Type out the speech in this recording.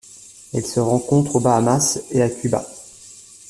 Elle se rencontre aux Bahamas et à Cuba.